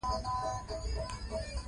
په هر ځای کې پرې ولیکو.